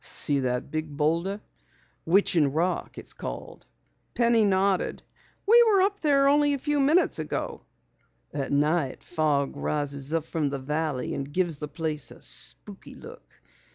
"See that big boulder? Witching Rock it's called." Penny nodded. "We were there only a few minutes ago." "At night fog rises up from the valley and gives the place a spooky look.